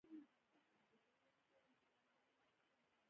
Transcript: • بادام د تیزو او نرم غذایانو لپاره غوره دی.